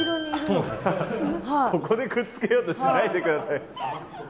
ここでくっつけようとしないで下さい。